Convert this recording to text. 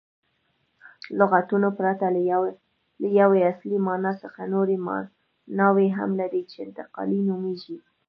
لغتونه پرته له یوې اصلي مانا څخه نوري ماناوي هم لري، چي انتقالي نومیږي.